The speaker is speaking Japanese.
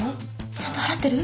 ちゃんと払ってる？